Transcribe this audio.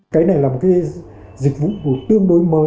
cái này là một cái dịch vụ của tương đối mơ